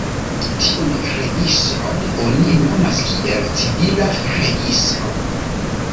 Tiun registron oni nomas kiel "civila registro".